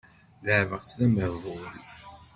Leɛbeɣ-tt d amehbul.